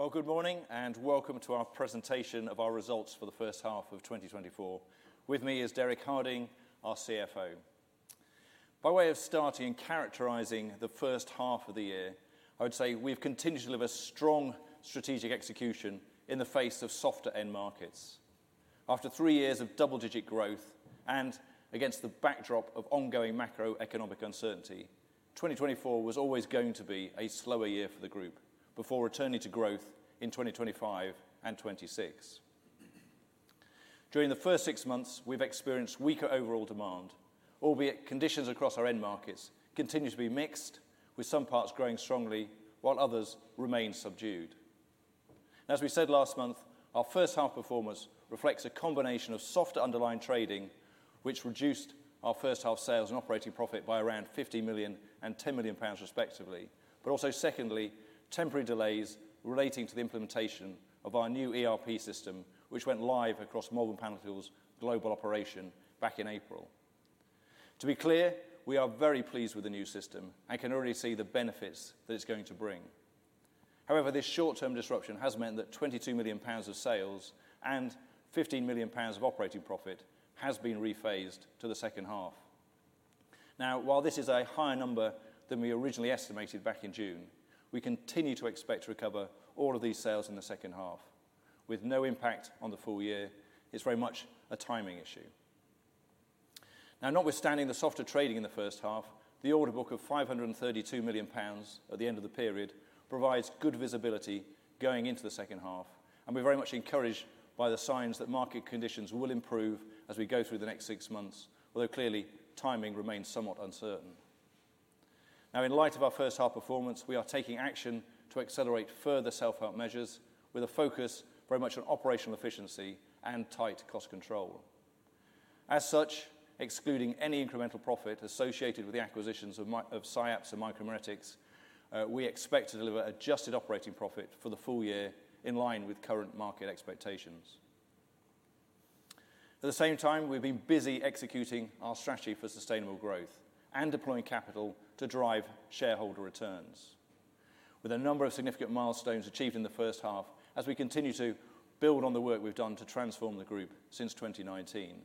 Well, good morning and welcome to our presentation of our results for the first half of 2024. With me is Derek Harding, our CFO. By way of starting and characterizing the first half of the year, I would say we've continued to deliver strong strategic execution in the face of softer end markets. After three years of double-digit growth and against the backdrop of ongoing macroeconomic uncertainty, 2024 was always going to be a slower year for the group before returning to growth in 2025 and 2026. During the first six months, we've experienced weaker overall demand, albeit conditions across our end markets continue to be mixed, with some parts growing strongly while others remain subdued. As we said last month, our first-half performance reflects a combination of softer underlying trading, which reduced our first-half sales and operating profit by around 50 million and 10 million pounds, respectively. But also, secondly, temporary delays relating to the implementation of our new ERP system, which went live across Malvern Panalytical global operation back in April. To be clear, we are very pleased with the new system and can already see the benefits that it's going to bring. However, this short-term disruption has meant that £22 million of sales and £15 million of operating profit has been rephased to the second half. Now, while this is a higher number than we originally estimated back in June, we continue to expect to recover all of these sales in the second half, with no impact on the full year. It's very much a timing issue. Now, notwithstanding the softer trading in the first half, the order book of £532 million at the end of the period provides good visibility going into the second half, and we're very much encouraged by the signs that market conditions will improve as we go through the next six months, although clearly timing remains somewhat uncertain. Now, in light of our first-half performance, we are taking action to accelerate further self-help measures with a focus very much on operational efficiency and tight cost control. As such, excluding any incremental profit associated with the acquisitions of SciAps and Micromeritics, we expect to deliver adjusted operating profit for the full year in line with current market expectations. At the same time, we've been busy executing our strategy for sustainable growth and deploying capital to drive shareholder returns, with a number of significant milestones achieved in the first half as we continue to build on the work we've done to transform the group since 2019.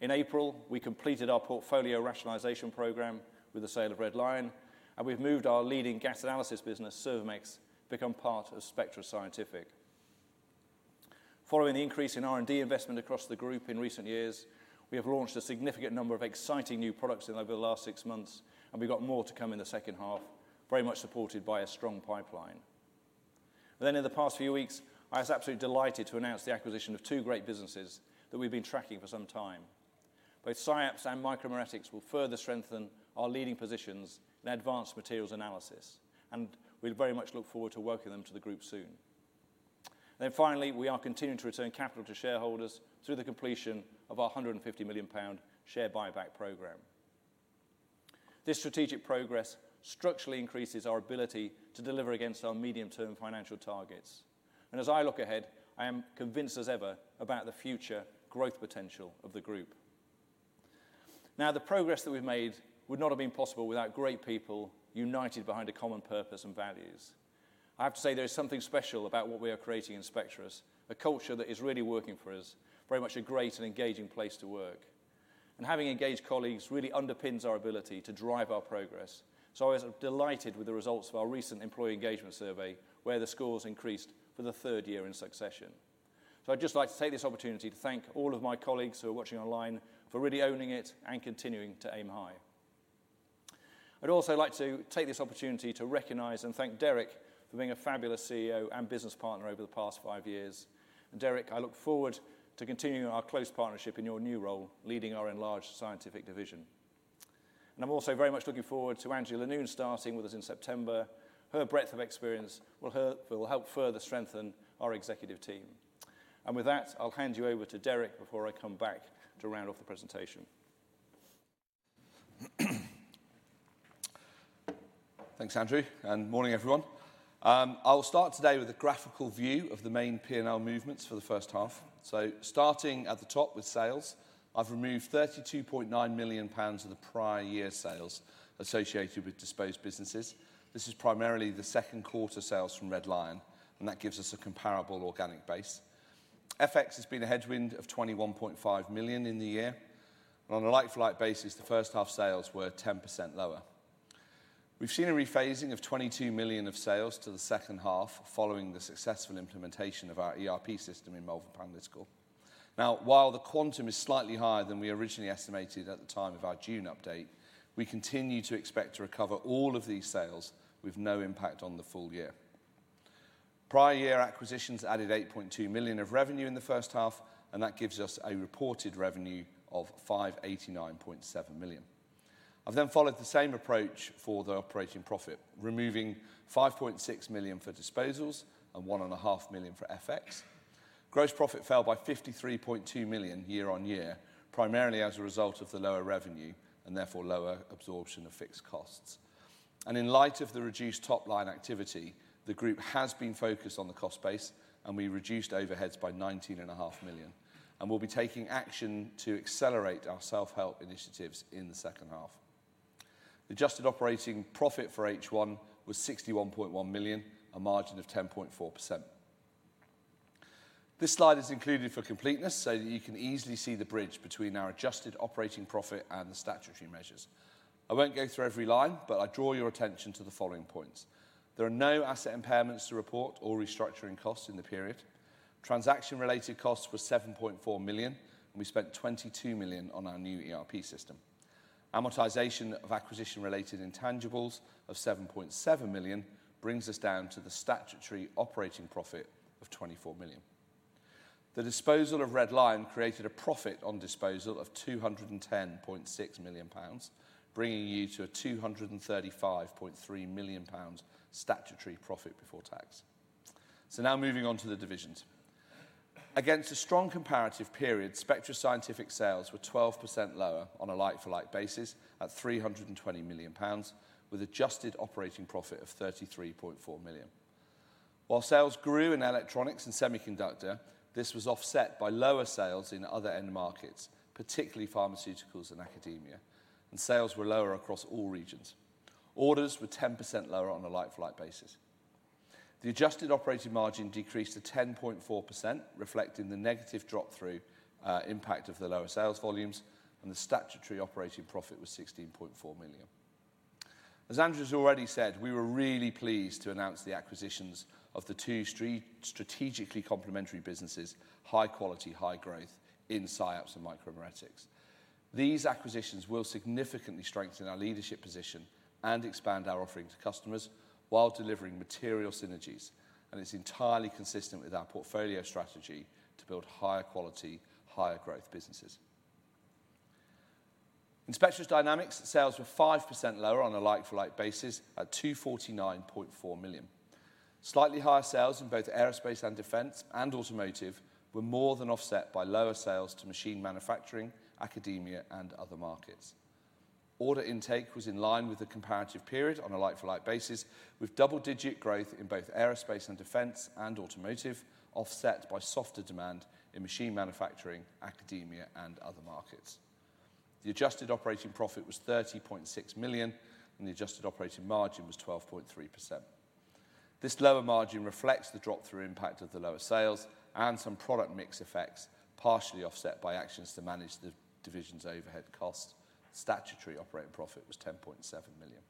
In April, we completed our portfolio rationalization program with the sale of Red Lion, and we've moved our leading gas analysis business, Servomex, to become part of Spectris Scientific. Following the increase in R&D investment across the group in recent years, we have launched a significant number of exciting new products over the last six months, and we've got more to come in the second half, very much supported by a strong pipeline. Then, in the past few weeks, I was absolutely delighted to announce the acquisition of two great businesses that we've been tracking for some time. Both SciAps and Micromeritics will further strengthen our leading positions in advanced materials analysis, and we very much look forward to welcoming them to the group soon. Then, finally, we are continuing to return capital to shareholders through the completion of our 150 million pound share buyback program. This strategic progress structurally increases our ability to deliver against our medium-term financial targets. As I look ahead, I am convinced as ever about the future growth potential of the group. Now, the progress that we've made would not have been possible without great people united behind a common purpose and values. I have to say there is something special about what we are creating in Spectris, a culture that is really working for us, very much a great and engaging place to work. Having engaged colleagues really underpins our ability to drive our progress. I was delighted with the results of our recent employee engagement survey, where the scores increased for the third year in succession. I'd just like to take this opportunity to thank all of my colleagues who are watching online for really owning it and continuing to aim high. I'd also like to take this opportunity to recognize and thank Derek for being a fabulous CEO and business partner over the past five years. Derek, I look forward to continuing our close partnership in your new role leading our enlarged scientific division. I'm also very much looking forward to Angela Noon starting with us in September. Her breadth of experience will help further strengthen our executive team. With that, I'll hand you over to Derek before I come back to round off the presentation. Thanks, Andrew. Morning, everyone. I'll start today with a graphical view of the main P&L movements for the first half. Starting at the top with sales, I've removed £32.9 million of the prior year's sales associated with disposed businesses. This is primarily the second quarter sales from Red Lion, and that gives us a comparable organic base. FX has been a headwind of £21.5 million in the year. On a like-for-like basis, the first-half sales were 10% lower. We've seen a rephasing of £22 million of sales to the second half following the successful implementation of our ERP system in Melbourne Panel Tools. Now, while the quantum is slightly higher than we originally estimated at the time of our June update, we continue to expect to recover all of these sales with no impact on the full year. Prior year acquisitions added £8.2 million of revenue in the first half, and that gives us a reported revenue of £589.7 million. I've then followed the same approach for the operating profit, removing £5.6 million for disposals and £1.5 million for FX. Gross profit fell by £53.2 million year-on-year, primarily as a result of the lower revenue and therefore lower absorption of fixed costs. In light of the reduced top-line activity, the group has been focused on the cost base, and we reduced overheads by £19.5 million. We'll be taking action to accelerate our self-help initiatives in the second half. The adjusted operating profit for H1 was £61.1 million, a margin of 10.4%. This slide is included for completeness so that you can easily see the bridge between our adjusted operating profit and the statutory measures. I won't go through every line, but I draw your attention to the following points. There are no asset impairments to report or restructuring costs in the period. Transaction-related costs were £7.4 million, and we spent £22 million on our new ERP system. Amortisation of acquisition-related intangibles of £7.7 million brings us down to the statutory operating profit of £24 million. The disposal of Red Lion created a profit on disposal of £210.6 million, bringing you to a £235.3 million statutory profit before tax. So now moving on to the divisions. Against a strong comparative period, Spectris Scientific sales were 12% lower on a like-for-like basis at £320 million, with adjusted operating profit of £33.4 million. While sales grew in electronics and semiconductor, this was offset by lower sales in other end markets, particularly pharmaceuticals and academia, and sales were lower across all regions. Orders were 10% lower on a like-for-like basis. The adjusted operating margin decreased to 10.4%, reflecting the negative drop-through impact of the lower sales volumes, and the statutory operating profit was £16.4 million. As Andrew has already said, we were really pleased to announce the acquisitions of the two strategically complementary businesses, high quality, high growth, in SciAps and Micromeritics. These acquisitions will significantly strengthen our leadership position and expand our offering to customers while delivering material synergies, and it's entirely consistent with our portfolio strategy to build higher quality, higher growth businesses. In Spectris Dynamics, sales were 5% lower on a like-for-like basis at £249.4 million. Slightly higher sales in both aerospace and defence and automotive were more than offset by lower sales to machine manufacturing, academia, and other markets. Order intake was in line with the comparative period on a like-for-like basis, with double-digit growth in both aerospace and defense and automotive, offset by softer demand in machine manufacturing, academia, and other markets. The adjusted operating profit was £30.6 million, and the adjusted operating margin was 12.3%. This lower margin reflects the drop-through impact of the lower sales and some product mix effects, partially offset by actions to manage the division's overhead costs. Statutory operating profit was £10.7 million.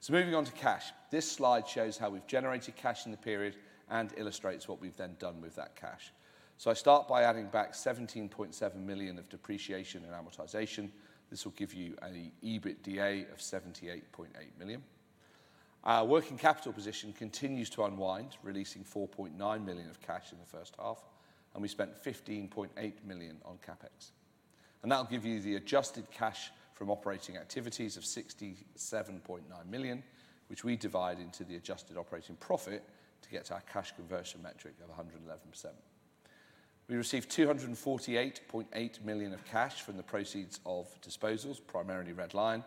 So moving on to cash, this slide shows how we've generated cash in the period and illustrates what we've then done with that cash. So I start by adding back £17.7 million of depreciation and amortization. This will give you an EBITDA of £78.8 million. Our working capital position continues to unwind, releasing £4.9 million of cash in the first half, and we spent £15.8 million on CapEx. That'll give you the adjusted cash from operating activities of £67.9 million, which we divide into the adjusted operating profit to get to our cash conversion metric of 111%. We received £248.8 million of cash from the proceeds of disposals, primarily Red Lion.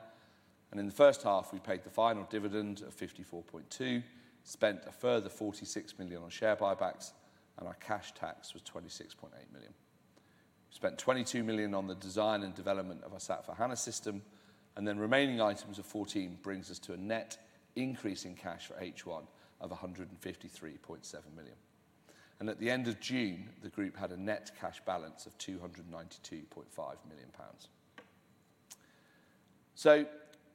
In the first half, we paid the final dividend of £54.2 million, spent a further £46 million on share buybacks, and our cash tax was £26.8 million. We spent £22 million on the design and development of our SAP S/4HANA system, and then remaining items of £14 brings us to a net increase in cash for H1 of £153.7 million. At the end of June, the group had a net cash balance of £292.5 million.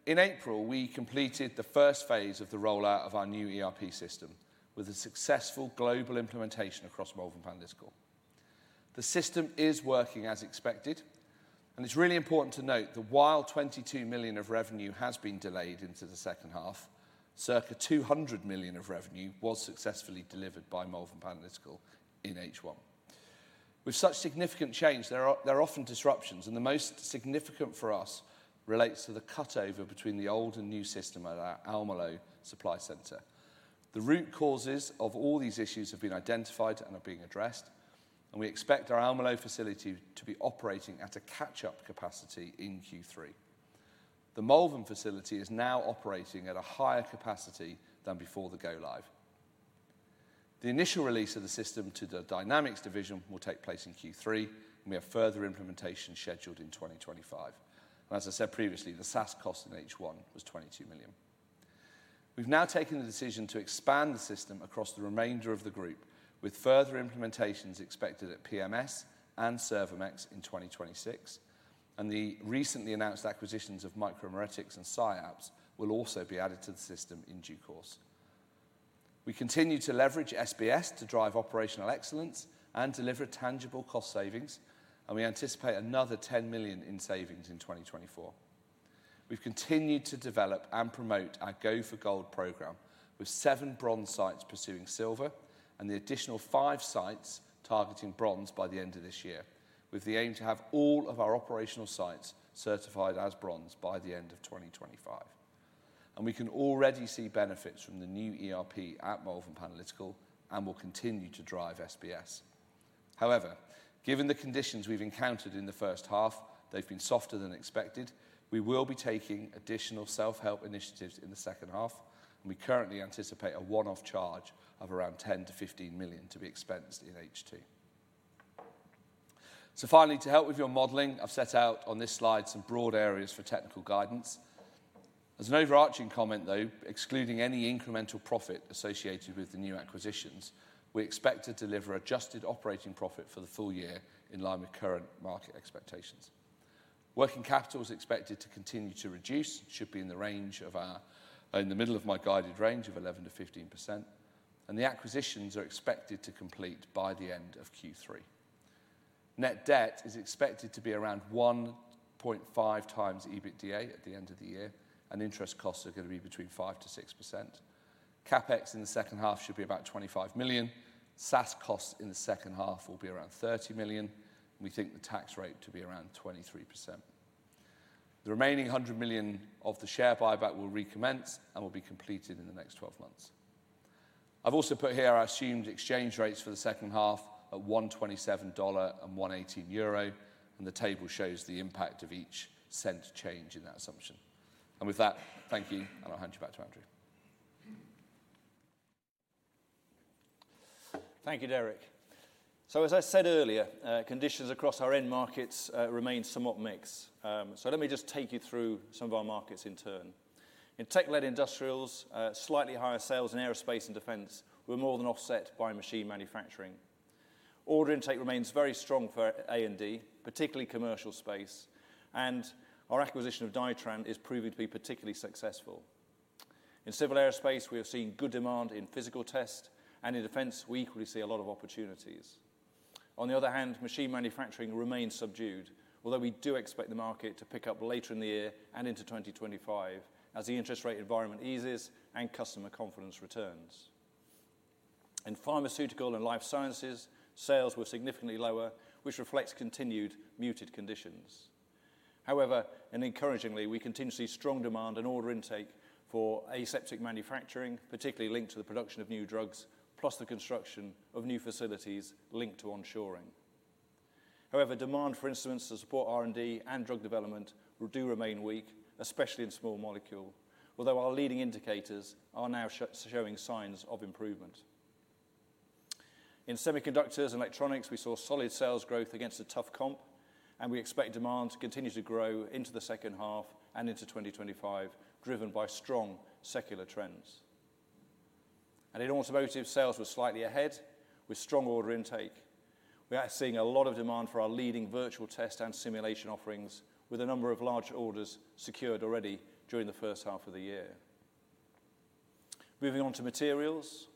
In April, we completed the first phase of the rollout of our new ERP system with a successful global implementation across Melbourne Panel Tools. The system is working as expected, and it's really important to note that while £22 million of revenue has been delayed into the second half, circa £200 million of revenue was successfully delivered by Melbourne Panel Tools in H1. With such significant change, there are often disruptions, and the most significant for us relates to the cutover between the old and new system at our Almelo supply center. The root causes of all these issues have been identified and are being addressed, and we expect our Almelo facility to be operating at a catch-up capacity in Q3. The Malvern facility is now operating at a higher capacity than before the go-live. The initial release of the system to the Dynamics division will take place in Q3, and we have further implementation scheduled in 2025. As I said previously, the SaaS cost in H1 was £22 million. We've now taken the decision to expand the system across the remainder of the group, with further implementations expected at PMS and Servomex in 2026, and the recently announced acquisitions of Micromeritics and SciAps will also be added to the system in due course. We continue to leverage SBS to drive operational excellence and deliver tangible cost savings, and we anticipate another £10 million in savings in 2024. We've continued to develop and promote our Go for Gold program, with seven bronze sites pursuing silver and the additional five sites targeting bronze by the end of this year, with the aim to have all of our operational sites certified as bronze by the end of 2025. And we can already see benefits from the new ERP at Melbourne Panel Tools and will continue to drive SBS. However, given the conditions we've encountered in the first half, they've been softer than expected. We will be taking additional self-help initiatives in the second half, and we currently anticipate a one-off charge of around 10 million-15 million to be expensed in H2. So finally, to help with your modeling, I've set out on this slide some broad areas for technical guidance. As an overarching comment, though, excluding any incremental profit associated with the new acquisitions, we expect to deliver adjusted operating profit for the full year in line with current market expectations. Working capital is expected to continue to reduce, should be in the range of our in the middle of my guided range of 11%-15%, and the acquisitions are expected to complete by the end of Q3. Net debt is expected to be around 1.5 times EBITDA at the end of the year, and interest costs are going to be between 5%-6%. CapEx in the second half should be about £25 million. SaaS costs in the second half will be around £30 million, and we think the tax rate to be around 23%. The remaining £100 million of the share buyback will recommence and will be completed in the next 12 months. I've also put here our assumed exchange rates for the second half at €127 and €118, and the table shows the impact of each cent change in that assumption. And with that, thank you, and I'll hand you back to Andrew. Thank you, Derek. So as I said earlier, conditions across our end markets remain somewhat mixed. So let me just take you through some of our markets in turn. In tech-led industrials, slightly higher sales in aerospace and defence were more than offset by machine manufacturing. Order intake remains very strong for A&D, particularly commercial space, and our acquisition of Dytran is proving to be particularly successful. In civil aerospace, we have seen good demand in physical test, and in defence, we equally see a lot of opportunities. On the other hand, machine manufacturing remains subdued, although we do expect the market to pick up later in the year and into 2025 as the interest rate environment eases and customer confidence returns. In pharmaceutical and life sciences, sales were significantly lower, which reflects continued muted conditions. However, and encouragingly, we continue to see strong demand and order intake for aseptic manufacturing, particularly linked to the production of new drugs, plus the construction of new facilities linked to onshoring. However, demand for instruments to support R&D and drug development do remain weak, especially in small molecule, although our leading indicators are now showing signs of improvement. In semiconductors and electronics, we saw solid sales growth against a tough comp, and we expect demand to continue to grow into the second half and into 2025, driven by strong secular trends. In automotive, sales were slightly ahead with strong order intake. We are seeing a lot of demand for our leading virtual test and simulation offerings, with a number of large orders secured already during the first half of the year. Moving on to materials,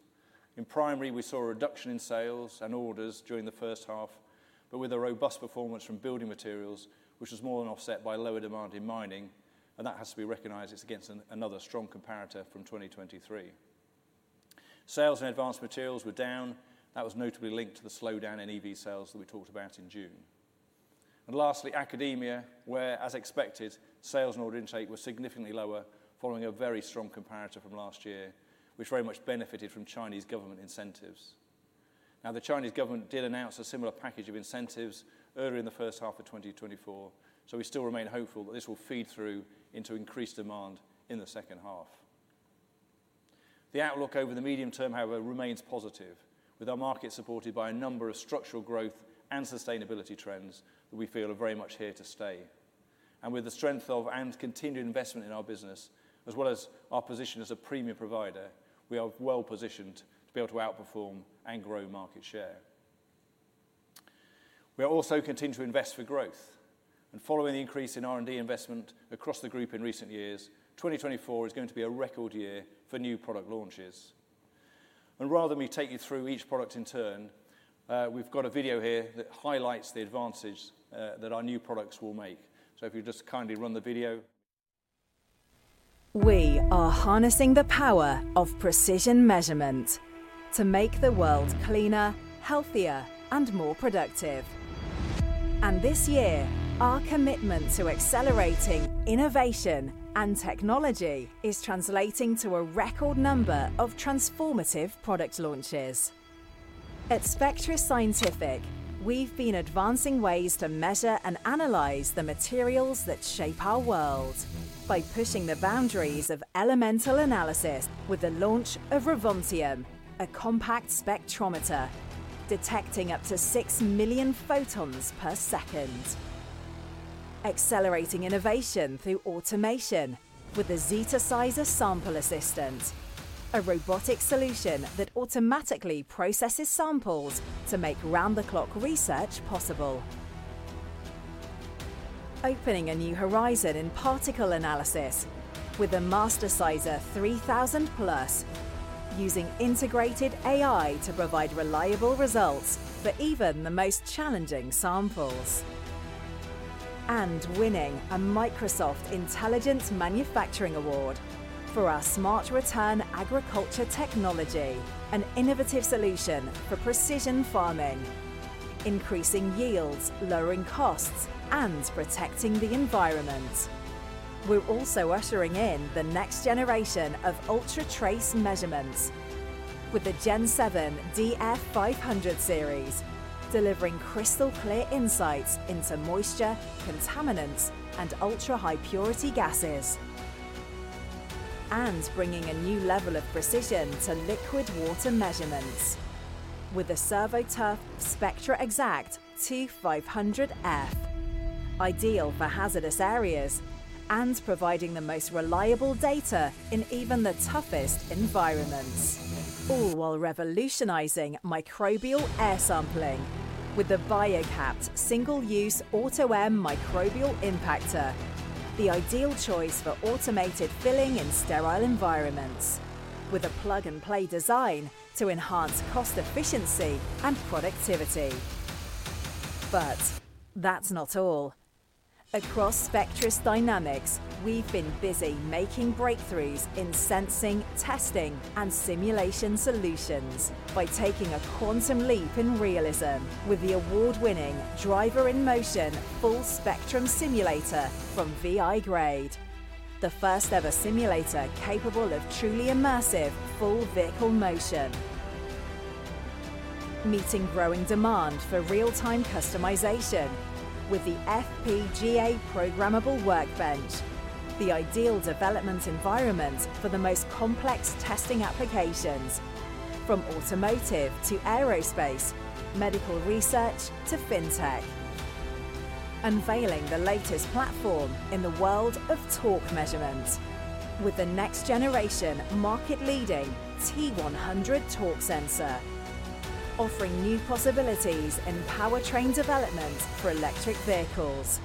in primary, we saw a reduction in sales and orders during the first half, but with a robust performance from building materials, which was more than offset by lower demand in mining, and that has to be recognized against another strong comparator from 2023. Sales in advanced materials were down. That was notably linked to the slowdown in EV sales that we talked about in June. And lastly, academia, where, as expected, sales and order intake were significantly lower following a very strong comparator from last year, which very much benefited from Chinese government incentives. Now, the Chinese government did announce a similar package of incentives earlier in the first half of 2024, so we still remain hopeful that this will feed through into increased demand in the second half. The outlook over the medium term, however, remains positive, with our market supported by a number of structural growth and sustainability trends that we feel are very much here to stay. And with the strength of and continued investment in our business, as well as our position as a premium provider, we are well positioned to be able to outperform and grow market share. We are also continuing to invest for growth, and following the increase in R&D investment across the group in recent years, 2024 is going to be a record year for new product launches. Rather than me take you through each product in turn, we've got a video here that highlights the advantage that our new products will make. If you just kindly run the video. We are harnessing the power of precision measurement to make the world cleaner, healthier, and more productive. And this year, our commitment to accelerating innovation and technology is translating to a record number of transformative product launches. At Spectris Scientific, we've been advancing ways to measure and analyze the materials that shape our world by pushing the boundaries of elemental analysis with the launch of Revontium, a compact spectrometer detecting up to 6 million photons per second. Accelerating innovation through automation with the Zetasizer Sample Assistant, a robotic solution that automatically processes samples to make round-the-clock research possible. Opening a new horizon in particle analysis with the Mastersizer 3000+, using integrated AI to provide reliable results for even the most challenging samples. And winning a Microsoft Intelligent Manufacturing Award for our Smart Return Agriculture Technology, an innovative solution for precision farming, increasing yields, lowering costs, and protecting the environment. We're also ushering in the next generation of ultra-trace measurements with the Gen7 DF-500 series, delivering crystal-clear insights into moisture, contaminants, and ultra-high-purity gases. And bringing a new level of precision to liquid water measurements with the SERVOTOUGH SpectraExact 2500F, ideal for hazardous areas and providing the most reliable data in even the toughest environments. All while revolutionizing microbial air sampling with the BioCapt Single-Use AutoM Microbial Impactor, the ideal choice for automated filling in sterile environments with a plug-and-play design to enhance cost efficiency and productivity. But that's not all. Across Spectris Dynamics, we've been busy making breakthroughs in sensing, testing, and simulation solutions by taking a quantum leap in realism with the award-winning Driver-in-Motion Full Spectrum Simulator from VI-grade, the first-ever simulator capable of truly immersive full vehicle motion. Meeting growing demand for real-time customization with the FPGA programmable workbench, the ideal development environment for the most complex testing applications from automotive to aerospace, medical research to fintech. Unveiling the latest platform in the world of torque measurement with the next-generation market-leading T100 torque sensor, offering new possibilities in powertrain development for electric vehicles.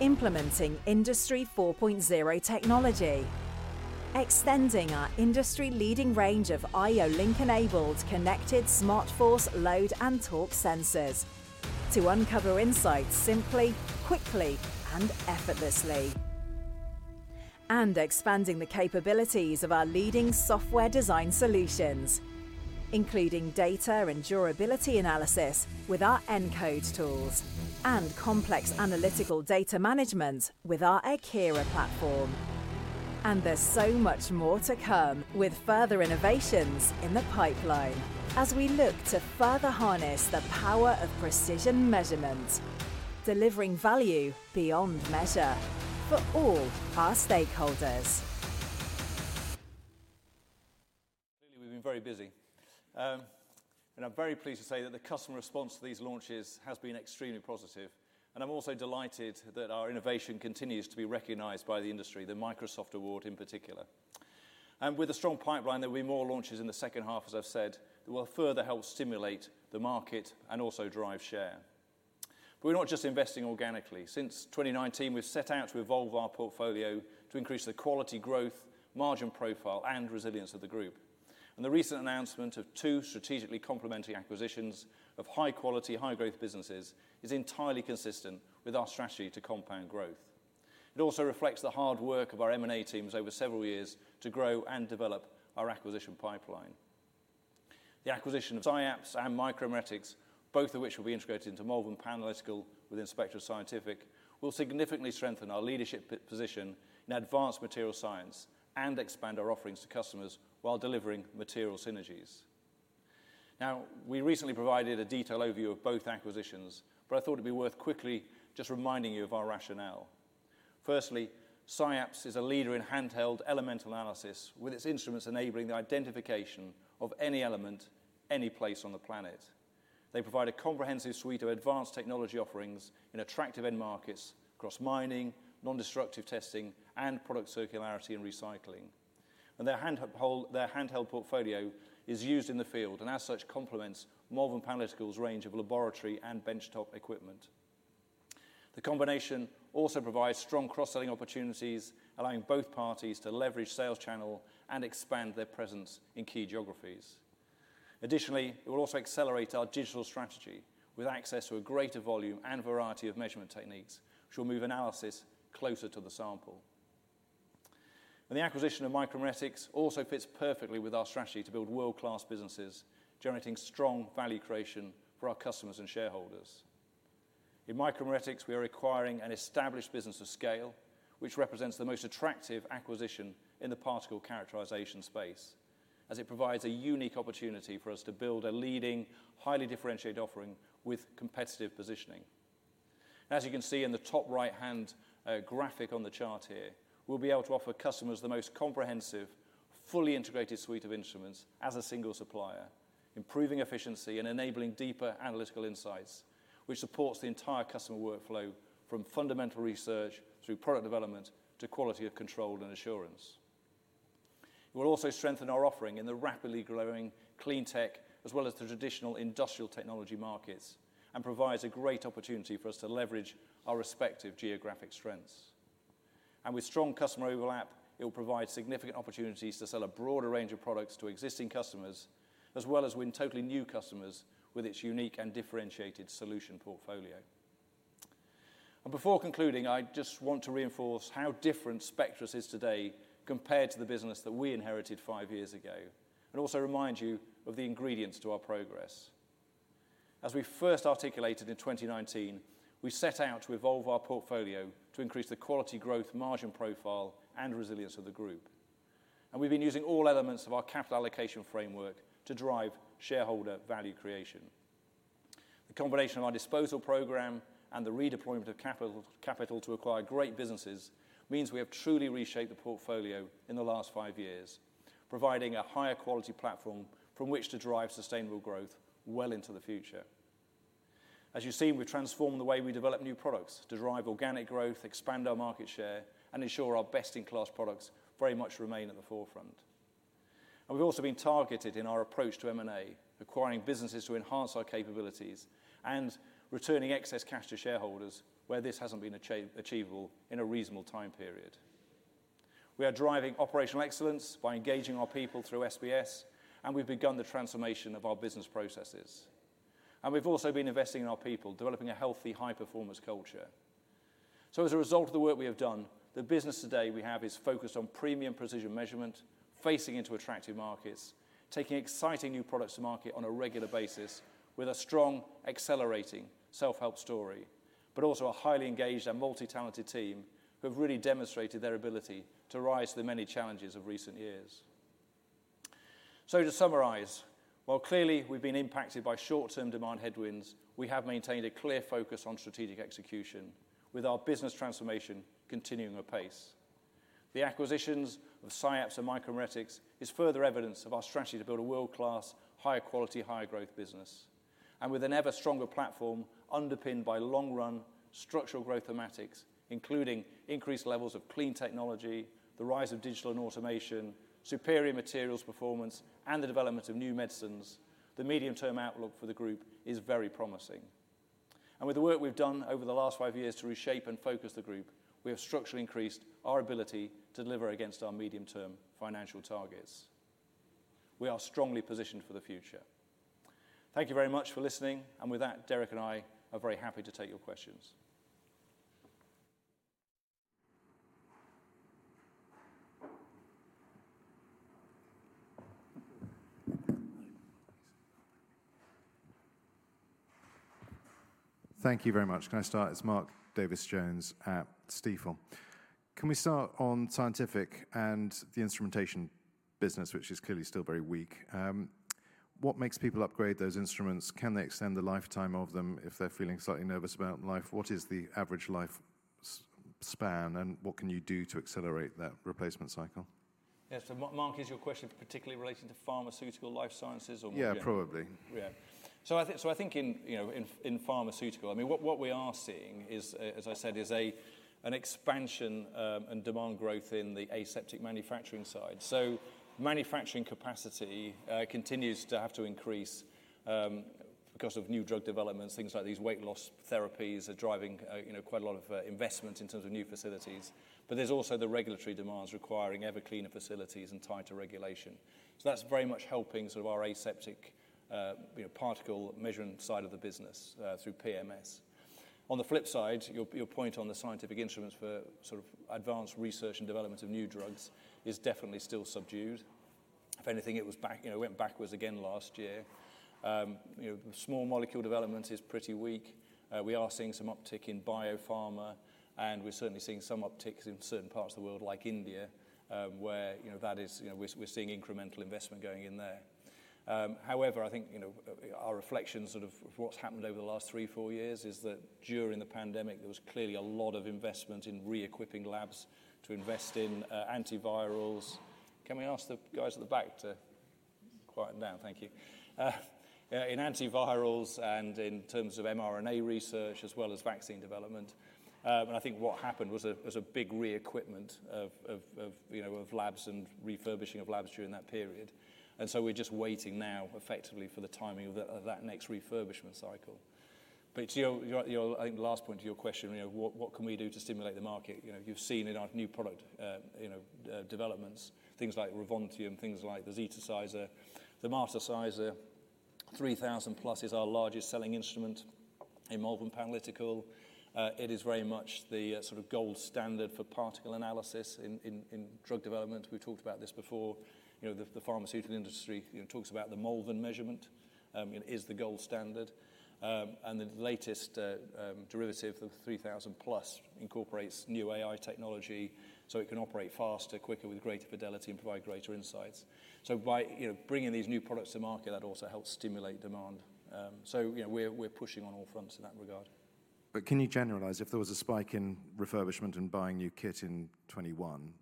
Implementing Industry 4.0 technology, extending our industry-leading range of IO-Link-enabled connected smart force load and torque sensors to uncover insights simply, quickly, and effortlessly. Expanding the capabilities of our leading software design solutions, including data and durability analysis with our nCode tools and complex analytical data management with our Aqira platform. There's so much more to come with further innovations in the pipeline as we look to further harness the power of precision measurement, delivering value beyond measure for all our stakeholders. Clearly, we've been very busy. I'm very pleased to say that the customer response to these launches has been extremely positive. I'm also delighted that our innovation continues to be recognized by the industry, the Microsoft Award in particular. With a strong pipeline, there will be more launches in the second half, as I've said, that will further help stimulate the market and also drive share. But we're not just investing organically. Since 2019, we've set out to evolve our portfolio to increase the quality growth, margin profile, and resilience of the group. The recent announcement of two strategically complementary acquisitions of high-quality, high-growth businesses is entirely consistent with our strategy to compound growth. It also reflects the hard work of our M&A teams over several years to grow and develop our acquisition pipeline. The acquisition of SciAps and Micromeritics, both of which will be integrated into Melbourne Panel Tools within Spectris Scientific, will significantly strengthen our leadership position in advanced material science and expand our offerings to customers while delivering material synergies. Now, we recently provided a detailed overview of both acquisitions, but I thought it'd be worth quickly just reminding you of our rationale. Firstly, SciAps is a leader in handheld elemental analysis with its instruments enabling the identification of any element, any place on the planet. They provide a comprehensive suite of advanced technology offerings in attractive end markets across mining, non-destructive testing, and product circularity and recycling. Their handheld portfolio is used in the field and, as such, complements Melbourne Panel Tools' range of laboratory and benchtop equipment. The combination also provides strong cross-selling opportunities, allowing both parties to leverage sales channels and expand their presence in key geographies. Additionally, it will also accelerate our digital strategy with access to a greater volume and variety of measurement techniques, which will move analysis closer to the sample. And the acquisition of Micromeritics also fits perfectly with our strategy to build world-class businesses, generating strong value creation for our customers and shareholders. In Micromeritics, we are acquiring an established business of scale, which represents the most attractive acquisition in the particle characterization space, as it provides a unique opportunity for us to build a leading, highly differentiated offering with competitive positioning. As you can see in the top right-hand graphic on the chart here, we'll be able to offer customers the most comprehensive, fully integrated suite of instruments as a single supplier, improving efficiency and enabling deeper analytical insights, which supports the entire customer workflow from fundamental research through product development to quality control and assurance. It will also strengthen our offering in the rapidly growing clean tech, as well as the traditional industrial technology markets, and provides a great opportunity for us to leverage our respective geographic strengths. With strong customer overlap, it will provide significant opportunities to sell a broader range of products to existing customers, as well as win totally new customers with its unique and differentiated solution portfolio. Before concluding, I just want to reinforce how different Spectris is today compared to the business that we inherited five years ago, and also remind you of the ingredients to our progress. As we first articulated in 2019, we set out to evolve our portfolio to increase the quality growth, margin profile, and resilience of the group. We've been using all elements of our capital allocation framework to drive shareholder value creation. The combination of our disposal program and the redeployment of capital to acquire great businesses means we have truly reshaped the portfolio in the last five years, providing a higher quality platform from which to drive sustainable growth well into the future. As you've seen, we've transformed the way we develop new products to drive organic growth, expand our market share, and ensure our best-in-class products very much remain at the forefront. We've also been targeted in our approach to M&A, acquiring businesses to enhance our capabilities and returning excess cash to shareholders where this hasn't been achievable in a reasonable time period. We are driving operational excellence by engaging our people through SBS, and we've begun the transformation of our business processes. We've also been investing in our people, developing a healthy, high-performance culture. So, as a result of the work we have done, the business today we have is focused on premium precision measurement, facing into attractive markets, taking exciting new products to market on a regular basis with a strong, accelerating self-help story, but also a highly engaged and multi-talented team who have really demonstrated their ability to rise to the many challenges of recent years. So, to summarize, while clearly we've been impacted by short-term demand headwinds, we have maintained a clear focus on strategic execution with our business transformation continuing at pace. The acquisitions of SciAps and Micromeritics is further evidence of our strategy to build a world-class, higher-quality, higher-growth business. And with an ever-stronger platform underpinned by long-run structural growth thematics, including increased levels of clean technology, the rise of digital and automation, superior materials performance, and the development of new medicines, the medium-term outlook for the group is very promising. And with the work we've done over the last five years to reshape and focus the group, we have structurally increased our ability to deliver against our medium-term financial targets. We are strongly positioned for the future. Thank you very much for listening. And with that, Derek and I are very happy to take your questions. Thank you very much. Can I start? It's Mark Davies Jones at Stifel. Can we start on scientific and the instrumentation business, which is clearly still very weak? What makes people upgrade those instruments? Can they extend the lifetime of them if they're feeling slightly nervous about life? What is the average life span, and what can you do to accelerate that replacement cycle? Yes. So, Mark, is your question particularly related to pharmaceutical life sciences or? Yeah, probably. Yeah. So I think in pharmaceutical, I mean, what we are seeing is, as I said, is an expansion and demand growth in the aseptic manufacturing side. So manufacturing capacity continues to have to increase because of new drug developments. Things like these weight loss therapies are driving quite a lot of investment in terms of new facilities. But there's also the regulatory demands requiring ever cleaner facilities and tighter regulation. So that's very much helping sort of our aseptic particle measuring side of the business through PMS. On the flip side, your point on the scientific instruments for sort of advanced research and development of new drugs is definitely still subdued. If anything, it went backward again last year. Small molecule development is pretty weak. We are seeing some uptick in biopharma, and we're certainly seeing some upticks in certain parts of the world like India, where that is we're seeing incremental investment going in there. However, I think our reflection sort of what's happened over the last 3-4 years is that during the pandemic, there was clearly a lot of investment in re-equipping labs to invest in antivirals. Can we ask the guys at the back to quiet them down? Thank you. In antivirals and in terms of mRNA research, as well as vaccine development, and I think what happened was a big re-equipment of labs and refurbishing of labs during that period. And so we're just waiting now effectively for the timing of that next refurbishment cycle. But to your, I think, last point of your question, what can we do to stimulate the market? You've seen in our new product developments, things like Revontium and things like the ZetaSizer, the MasterSizer 3000+ is our largest selling instrument in Melbourne Panel Tools. It is very much the sort of gold standard for particle analysis in drug development. We've talked about this before. The pharmaceutical industry talks about the Malvern measurement is the gold standard. And the latest derivitive of 3000+ incorporates new AI technology, so it can operate faster, quicker, with greater fidelity and provide greater insights. So by bringing these new products to market, that also helps stimulate demand. So we're pushing on all fronts in that regard. Can you generalize if there was a spike in refurbishment and buying new kit in 2021,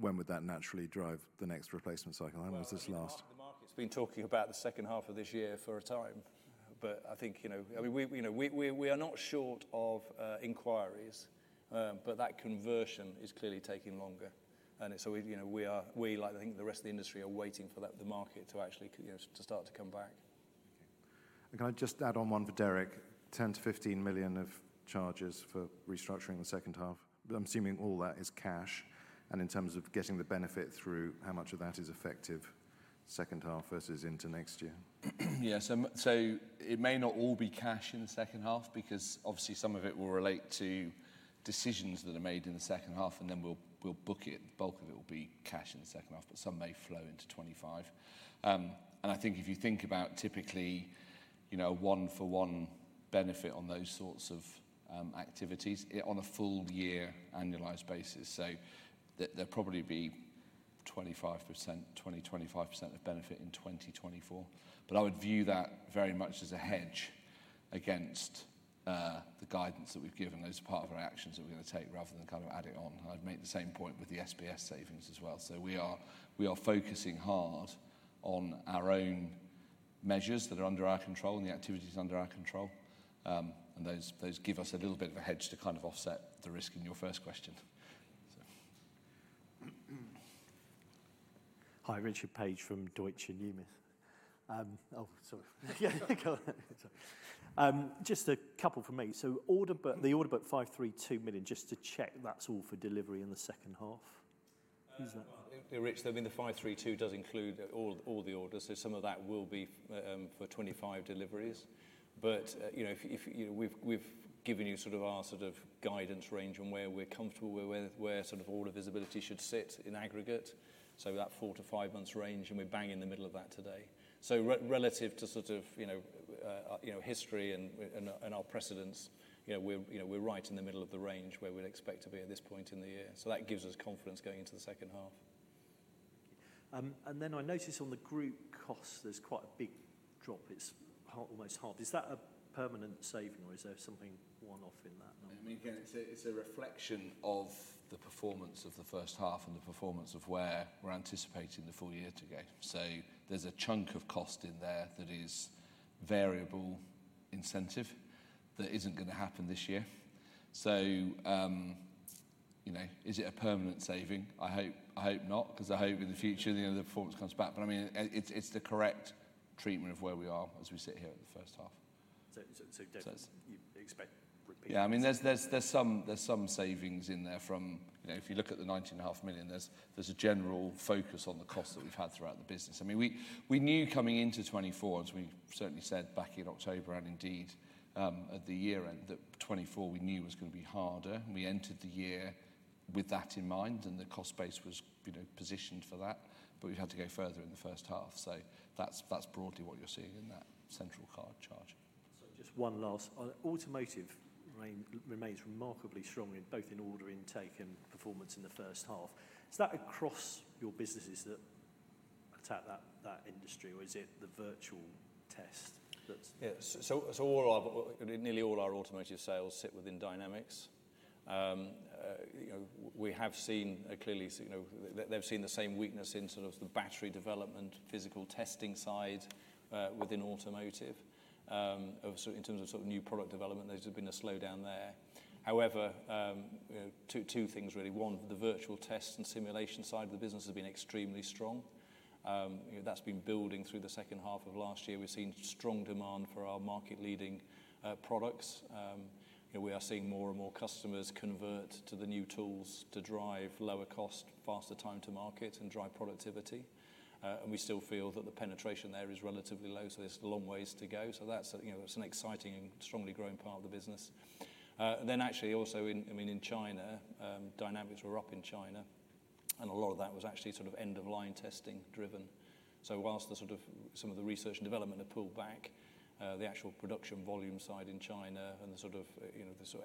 when would that naturally drive the next replacement cycle? How long was this last? The market's been talking about the second half of this year for a time. But I think, I mean, we are not short of inquiries, but that conversion is clearly taking longer. And so we, like I think the rest of the industry, are waiting for the market to actually start to come back. Okay. And can I just add on one for Derek? 10 million-15 million of charges for restructuring the second half. But I'm assuming all that is cash. And in terms of getting the benefit through, how much of that is effective second half versus into next year? Yeah. So it may not all be cash in the second half because obviously some of it will relate to decisions that are made in the second half, and then we'll book it. The bulk of it will be cash in the second half, but some may flow into 2025. And I think if you think about typically a 1-for-1 benefit on those sorts of activities on a full year annualized basis, so there'll probably be 20%-25% of benefit in 2024. But I would view that very much as a hedge against the guidance that we've given. That's part of our actions that we're going to take rather than kind of add it on. And I'd make the same point with the SBS savings as well. So we are focusing hard on our own measures that are under our control and the activities under our control. Those give us a little bit of a hedge to kind of offset the risk in your first question. Hi, Richard Paige from Deutsche Numis. Oh, sorry. Just a couple for me. So the order book 532 million, just to check, that's all for delivery in the second half? Richard, I mean, the 532 does include all the orders. So some of that will be for 2025 deliveries. But we've given you sort of our sort of guidance range on where we're comfortable, where sort of all the visibility should sit in aggregate. So that 4-5 months range, and we're bang in the middle of that today. So relative to sort of history and our precedents, we're right in the middle of the range where we'd expect to be at this point in the year. So that gives us confidence going into the second half. I notice on the group costs, there's quite a big drop. It's almost half. Is that a permanent saving or is there something one-off in that? I mean, again, it's a reflection of the performance of the first half and the performance of where we're anticipating the full year to go. So there's a chunk of cost in there that is variable incentive that isn't going to happen this year. So is it a permanent saving? I hope not because I hope in the future the performance comes back. But I mean, it's the correct treatment of where we are as we sit here at the first half. So, you expect repeat? Yeah. I mean, there's some savings in there from if you look at the 19.5 million, there's a general focus on the costs that we've had throughout the business. I mean, we knew coming into 2024, as we certainly said back in October and indeed at the year end, that 2024 we knew was going to be harder. We entered the year with that in mind, and the cost base was positioned for that. But we've had to go further in the first half. So that's broadly what you're seeing in that central cost charge. Just one last. Automotive remains remarkably strong in both order intake and performance in the first half. Is that across your businesses that attack that industry, or is it the virtual test that's? Yeah. So nearly all our automotive sales sit within Dynamics. We have seen clearly they've seen the same weakness in sort of the battery development, physical testing side within automotive. In terms of sort of new product development, there's been a slowdown there. However, two things really. One, the virtual test and simulation side of the business has been extremely strong. That's been building through the second half of last year. We've seen strong demand for our market-leading products. We are seeing more and more customers convert to the new tools to drive lower cost, faster time to market, and drive productivity. And we still feel that the penetration there is relatively low. So there's long ways to go. So that's an exciting and strongly growing part of the business. And then actually also in China, Dynamics were up in China. A lot of that was actually sort of end-of-line testing driven. So while some of the research and development have pulled back, the actual production volume side in China and the sort of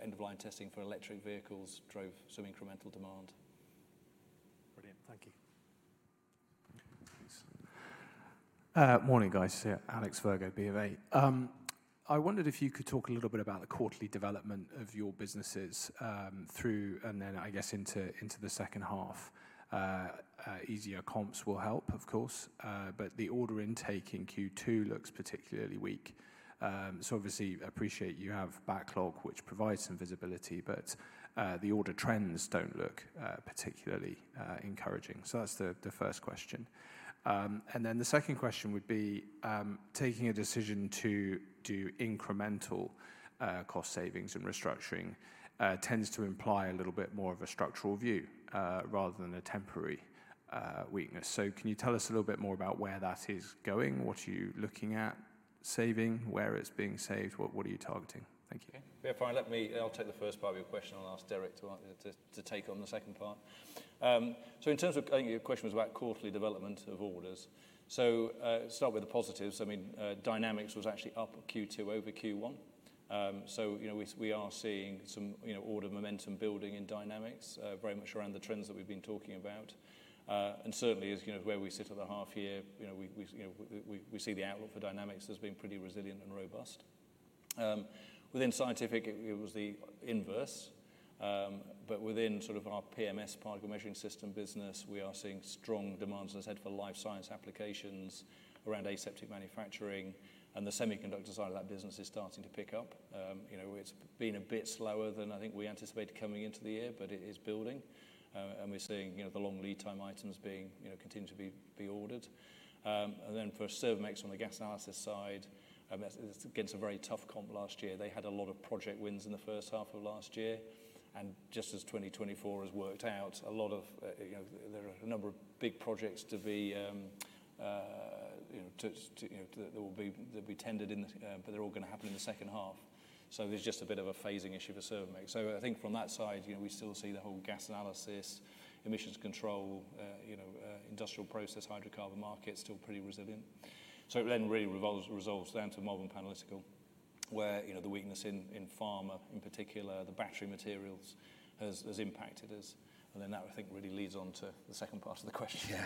end-of-line testing for electric vehicles drove some incremental demand. Brilliant. Thank you. Morning, guys. Alex Virgo, B of A. I wondered if you could talk a little bit about the quarterly development of your businesses through and then I guess into the second half. Easier comps will help, of course. But the order intake in Q2 looks particularly weak. So obviously, I appreciate you have backlog, which provides some visibility, but the order trends don't look particularly encouraging. So that's the first question. And then the second question would be, taking a decision to do incremental cost savings and restructuring tends to imply a little bit more of a structural view rather than a temporary weakness. So can you tell us a little bit more about where that is going? What are you looking at saving? Where it's being saved? What are you targeting? Thank you. Okay. Yeah, fine. I'll take the first part of your question. I'll ask Derek to take on the second part. So in terms of your question was about quarterly development of orders. So start with the positives. I mean, Dynamics was actually up Q2 over Q1. So we are seeing some order momentum building in Dynamics very much around the trends that we've been talking about. And certainly, where we sit at the half year, we see the outlook for Dynamics has been pretty resilient and robust. Within Scientific, it was the inverse. But within sort of our PMS Particle Measuring Systems business, we are seeing strong demands, as I said, for life science applications around aseptic manufacturing. And the semiconductor side of that business is starting to pick up. It's been a bit slower than I think we anticipated coming into the year, but it is building. And we're seeing the long lead time items continue to be ordered. And then for Servomex on the gas analysis side, it's against a very tough comp last year. They had a lot of project wins in the first half of last year. And just as 2024 has worked out, a lot of there are a number of big projects to be that will be tendered, but they're all going to happen in the second half. So there's just a bit of a phasing issue for Servomex. So I think from that side, we still see the whole gas analysis, emissions control, industrial process, hydrocarbon markets still pretty resilient. So it then really resolves down to Melbourne Panel Tools, where the weakness in pharma in particular, the battery materials, has impacted us. And then that, I think, really leads on to the second part of the question. Yeah.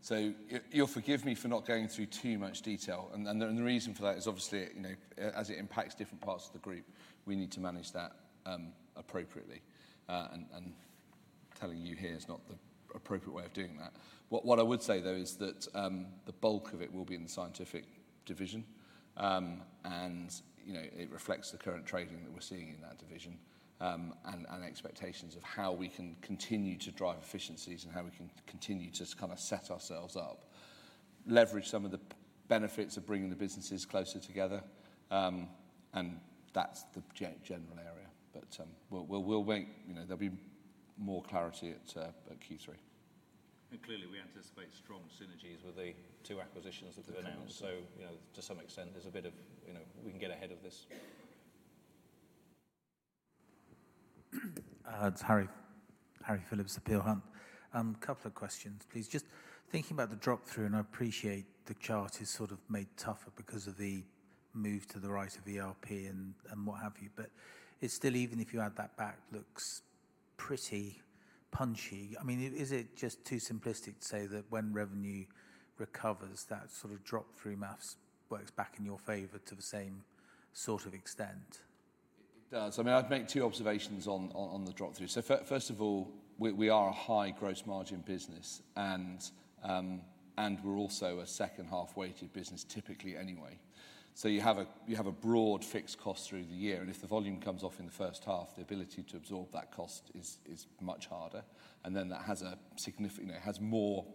So you'll forgive me for not going through too much detail. The reason for that is obviously, as it impacts different parts of the group, we need to manage that appropriately. Telling you here is not the appropriate way of doing that. What I would say, though, is that the bulk of it will be in the scientific division. It reflects the current trading that we're seeing in that division and expectations of how we can continue to drive efficiencies and how we can continue to kind of set ourselves up, leverage some of the benefits of bringing the businesses closer together. That's the general area. But there'll be more clarity at Q3. Clearly, we anticipate strong synergies with the two acquisitions that have been announced. To some extent, there's a bit of we can get ahead of this. That's Harry Phillips of Peel Hunt. A couple of questions, please. Just thinking about the drop-through, and I appreciate the chart is sort of made tougher because of the move to the right of ERP and what have you. But it still, even if you add that back, looks pretty punchy. I mean, is it just too simplistic to say that when revenue recovers, that sort of drop-through math works back in your favor to the same sort of extent? It does. I mean, I'd make two observations on the drop-through. So first of all, we are a high gross margin business, and we're also a second half-weighted business, typically anyway. So you have a broad fixed cost through the year. And if the volume comes off in the first half, the ability to absorb that cost is much harder. And then that has a significant, it has more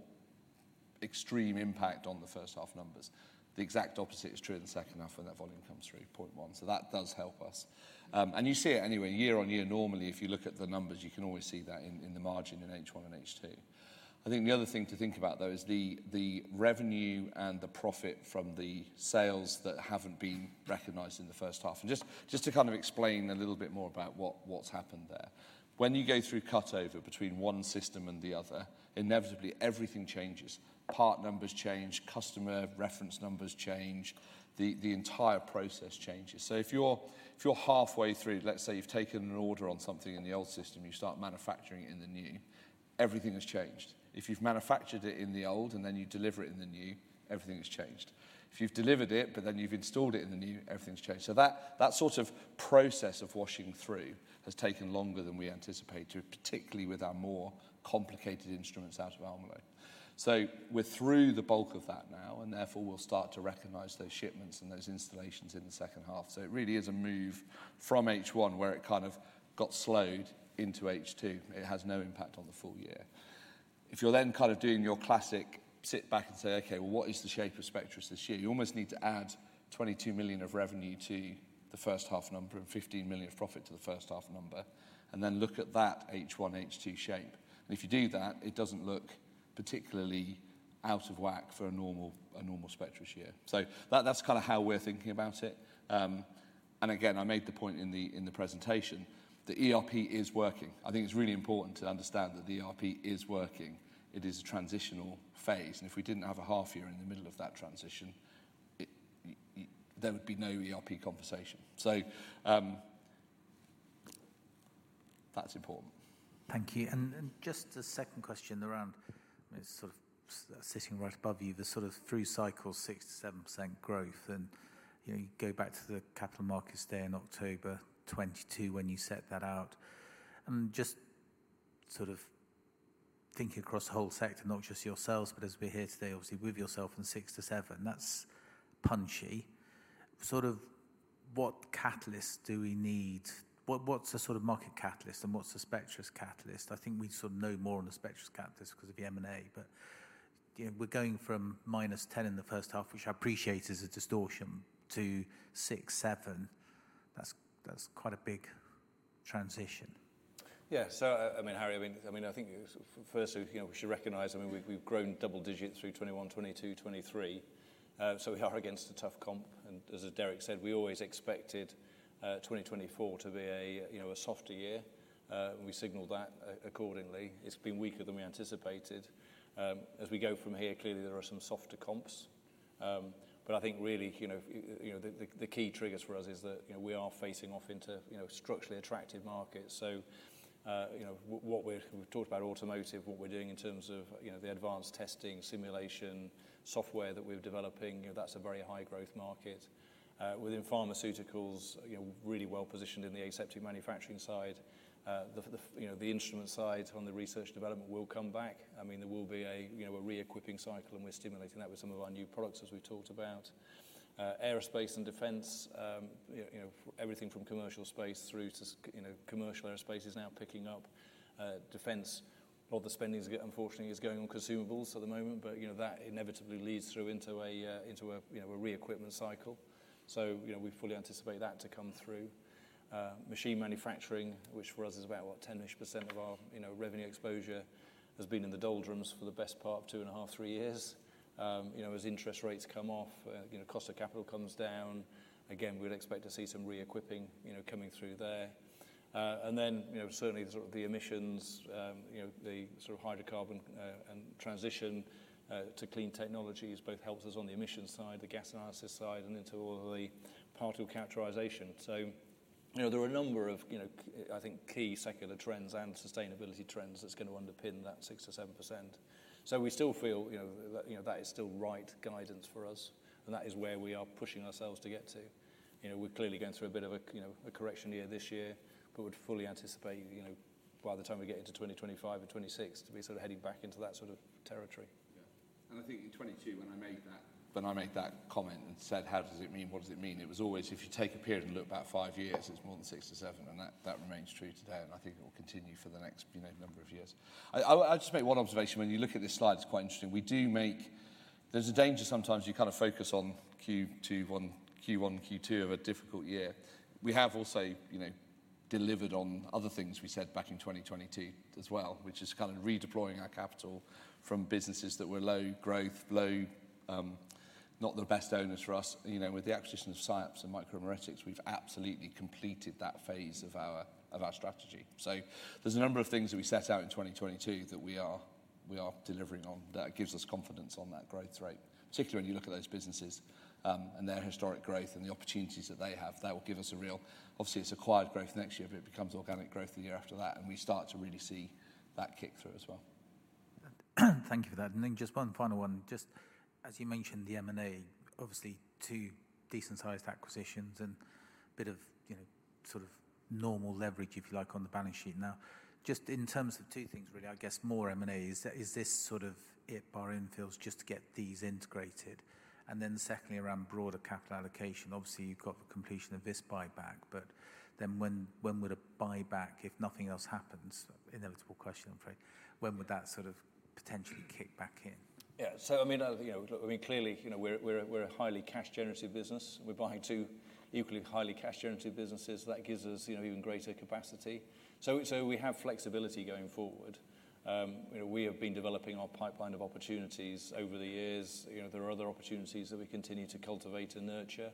extreme impact on the first half numbers. The exact opposite is true in the second half when that volume comes through, 0.1. So that does help us. And you see it anyway. Year-on-year, normally, if you look at the numbers, you can always see that in the margin in H1 and H2. I think the other thing to think about, though, is the revenue and the profit from the sales that haven't been recognized in the first half. And just to kind of explain a little bit more about what's happened there. When you go through cut-over between one system and the other, inevitably, everything changes. Part numbers change, customer reference numbers change, the entire process changes. So if you're halfway through, let's say you've taken an order on something in the old system, you start manufacturing it in the new, everything has changed. If you've manufactured it in the old and then you deliver it in the new, everything has changed. If you've delivered it, but then you've installed it in the new, everything's changed. So that sort of process of washing through has taken longer than we anticipated, particularly with our more complicated instruments out of Almelo. So we're through the bulk of that now, and therefore we'll start to recognize those shipments and those installations in the second half. So it really is a move from H1 where it kind of got slowed into H2. It has no impact on the full year. If you're then kind of doing your classic sit back and say, "Okay, well, what is the shape of Spectris this year?" You almost need to add 22 million of revenue to the first half number and 15 million of profit to the first half number, and then look at that H1, H2 shape. And if you do that, it doesn't look particularly out of whack for a normal Spectris year. So that's kind of how we're thinking about it. And again, I made the point in the presentation, the ERP is working. I think it's really important to understand that the ERP is working. It is a transitional phase. If we didn't have a half year in the middle of that transition, there would be no ERP conversation. That's important. Thank you. Just a second question around sort of sitting right above you, the sort of through-cycle 6%-7% growth. You go back to the Capital Markets Day in October 2022 when you set that out. Just sort of thinking across the whole sector, not just yourselves, but as we're here today, obviously with yourself and 6%-7%, that's punchy. Sort of what catalysts do we need? What's the sort of market catalyst and what's the Spectris catalyst? I think we sort of know more on the Spectris catalyst because of the M&A, but we're going from -10% in the first half, which I appreciate is a distortion, to 6%-7%. That's quite a big transition. Yeah. So I mean, Harry, I mean, I think first, we should recognize, I mean, we've grown double digits through 2021, 2022, 2023. So we are against a tough comp. And as Derek said, we always expected 2024 to be a softer year. We signaled that accordingly. It's been weaker than we anticipated. As we go from here, clearly, there are some softer comps. But I think really the key triggers for us is that we are facing off into structurally attractive markets. So what we've talked about automotive, what we're doing in terms of the advanced testing, simulation software that we're developing, that's a very high growth market. Within pharmaceuticals, really well positioned in the aseptic manufacturing side. The instrument side on the research development will come back. I mean, there will be a re-equipping cycle, and we're stimulating that with some of our new products, as we talked about. Aerospace and defense, everything from commercial space through to commercial aerospace is now picking up. Defense, a lot of the spending, unfortunately, is going on consumables at the moment. But that inevitably leads through into a re-equipment cycle. So we fully anticipate that to come through. Machine manufacturing, which for us is about, what, 10-ish% of our revenue exposure, has been in the doldrums for the best part of 2.5, 3 years. As interest rates come off, cost of capital comes down. Again, we would expect to see some re-equipping coming through there. And then certainly sort of the emissions, the sort of hydrocarbon transition to clean technologies both helps us on the emissions side, the gas analysis side, and into all the particle characterization. So there are a number of, I think, key secular trends and sustainability trends that's going to underpin that 6%-7%. So we still feel that is still right guidance for us. And that is where we are pushing ourselves to get to. We're clearly going through a bit of a correction year this year, but would fully anticipate by the time we get into 2025 and 2026 to be sort of heading back into that sort of territory. Yeah. And I think in 2022, when I made that comment and said, "How does it mean? What does it mean?" It was always, "If you take a period and look back five years, it's more than six to seven." And that remains true today. And I think it will continue for the next number of years. I'll just make one observation. When you look at this slide, it's quite interesting. There's a danger sometimes you kind of focus on Q1, Q2 of a difficult year. We have also delivered on other things we said back in 2022 as well, which is kind of redeploying our capital from businesses that were low growth, not the best owners for us. With the acquisition of SciAps and Micromeritics, we've absolutely completed that phase of our strategy. So there's a number of things that we set out in 2022 that we are delivering on that gives us confidence on that growth rate, particularly when you look at those businesses and their historic growth and the opportunities that they have. That will give us a real obviously, it's acquired growth next year, but it becomes organic growth the year after that. And we start to really see that kick through as well. Thank you for that. And then just one final one. Just as you mentioned, the M&A, obviously two decent-sized acquisitions and a bit of sort of normal leverage, if you like, on the balance sheet. Now, just in terms of two things, really, I guess more M&As, is this sort of it by infills just to get these integrated? And then secondly, around broader capital allocation, obviously you've got the completion of this buyback, but then when would a buyback, if nothing else happens, inevitable question, I'm afraid, when would that sort of potentially kick back in? Yeah. So I mean, clearly, we're a highly cash-generative business. We're buying two equally highly cash-generative businesses. That gives us even greater capacity. So we have flexibility going forward. We have been developing our pipeline of opportunities over the years. There are other opportunities that we continue to cultivate and nurture.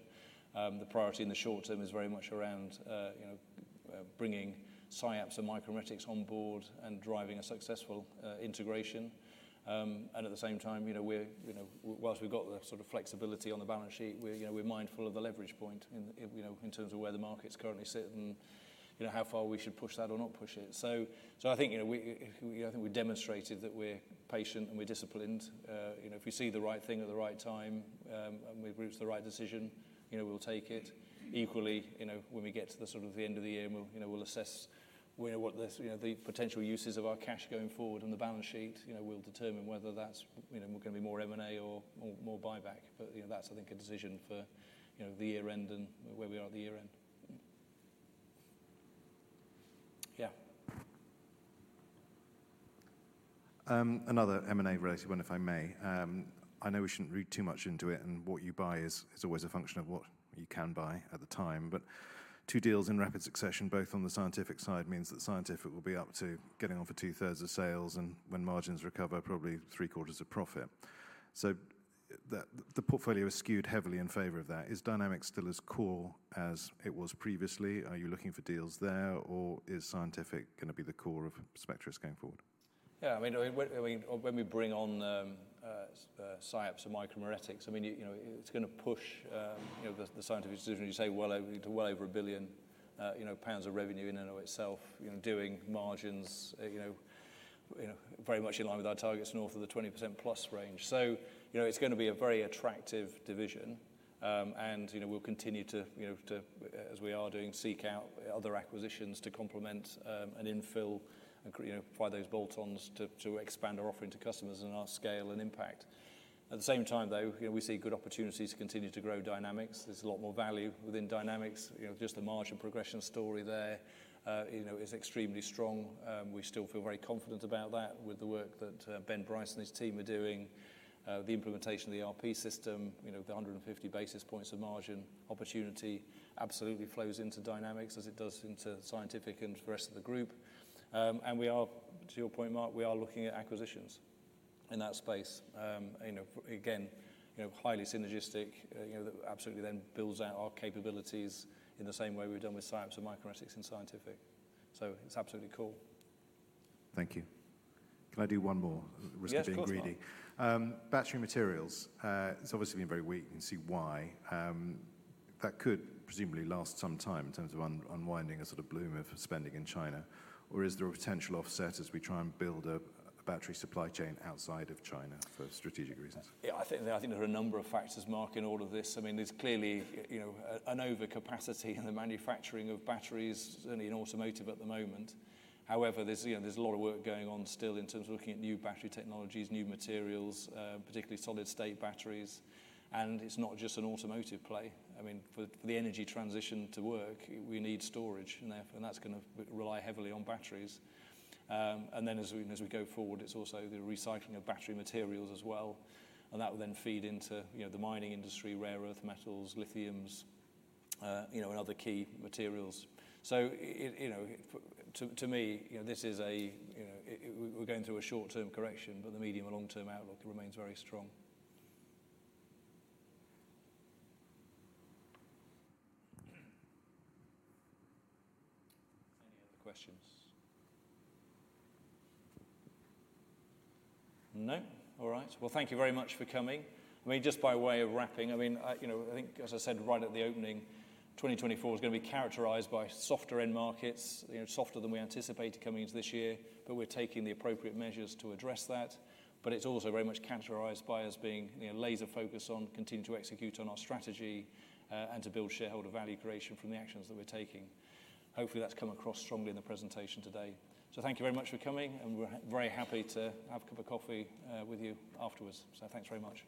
The priority in the short term is very much around bringing SciAps and Micromeritics on board and driving a successful integration. And at the same time, whilst we've got the sort of flexibility on the balance sheet, we're mindful of the leverage point in terms of where the market's currently sitting and how far we should push that or not push it. So I think we demonstrated that we're patient and we're disciplined. If we see the right thing at the right time and we've reached the right decision, we'll take it. Equally, when we get to the sort of end of the year, we'll assess what the potential uses of our cash going forward on the balance sheet. We'll determine whether that's going to be more M&A or more buyback. But that's, I think, a decision for the year end and where we are at the year end. Yeah. Another M&A-related one, if I may. I know we shouldn't read too much into it, and what you buy is always a function of what you can buy at the time. But two deals in rapid succession, both on the Scientific side, means that Scientific will be up to getting on for two-thirds of sales and when margins recover, probably three-quarters of profit. So the portfolio is skewed heavily in favor of that. Is Dynamics still as core as it was previously? Are you looking for deals there, or is Scientific going to be the core of Spectris going forward? Yeah. I mean, when we bring on SciAps and Micromeritics, I mean, it's going to push the scientific division. Putting it well over 1 billion of revenue in and of itself, doing margins very much in line with our targets north of the 20%+ range. So it's going to be a very attractive division. And we'll continue to, as we are doing, seek out other acquisitions to complement and infill and provide those bolt-ons to expand our offering to customers and our scale and impact. At the same time, though, we see good opportunities to continue to grow Dynamics. There's a lot more value within Dynamics. Just the margin progression story there is extremely strong. We still feel very confident about that with the work that Ben Brice and his team are doing, the implementation of the ERP system, the 150 basis points of margin opportunity absolutely flows into Dynamics as it does into Scientific and the rest of the group. And we are, to your point, Mark, we are looking at acquisitions in that space. Again, highly synergistic, absolutely then builds out our capabilities in the same way we've done with SciAps and Micromeritics and Scientific. So it's absolutely cool. Thank you. Can I do one more? Risk of being greedy. Battery materials. It's obviously been very weak. You can see why. That could presumably last some time in terms of unwinding a sort of bloom of spending in China. Or is there a potential offset as we try and build a battery supply chain outside of China for strategic reasons? Yeah. I think there are a number of factors, Mark, in all of this. I mean, there's clearly an overcapacity in the manufacturing of batteries, certainly in automotive at the moment. However, there's a lot of work going on still in terms of looking at new battery technologies, new materials, particularly solid-state batteries. And it's not just an automotive play. I mean, for the energy transition to work, we need storage, and that's going to rely heavily on batteries. And then as we go forward, it's also the recycling of battery materials as well. And that will then feed into the mining industry, rare earth metals, lithiums, and other key materials. So to me, this is, we're going through a short-term correction, but the medium and long-term outlook remains very strong. Any other questions? No? All right. Well, thank you very much for coming. I mean, just by way of wrapping, I mean, I think, as I said right at the opening, 2024 is going to be characterized by softer end markets, softer than we anticipated coming into this year, but we're taking the appropriate measures to address that. But it's also very much characterized by us being laser-focused on continuing to execute on our strategy and to build shareholder value creation from the actions that we're taking. Hopefully, that's come across strongly in the presentation today. So thank you very much for coming, and we're very happy to have a cup of coffee with you afterwards. So thanks very much.